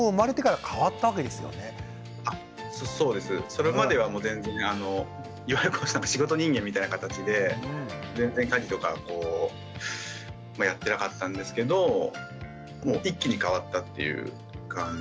それまではもう全然あのいわゆる仕事人間みたいな形で全然家事とかやってなかったんですけど一気に変わったっていう感じです。